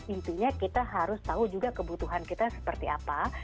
intinya kita harus tahu juga kebutuhan kita seperti apa